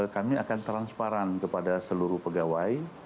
kami akan transparan kepada seluruh pegawai